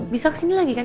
bisa kesini lagi kan